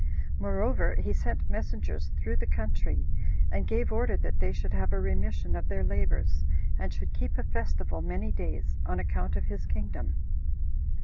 Moreover, he sent messengers through the country, and gave order that they should have a remission of their labors, and should keep a festival many days, on account of his kingdom.